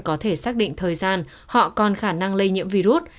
có thể xác định thời gian họ còn khả năng lây nhiễm virus